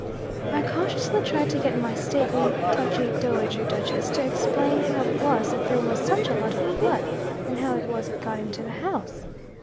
I cautiously tried to get my stately, touchy dowager duchess to explain how it was that there was such a lot of blood, and how it was it got into the house.